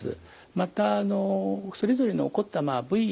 またそれぞれの起こった部位ですね